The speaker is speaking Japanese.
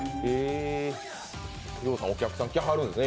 ぎょうさんお客さん来はるんですね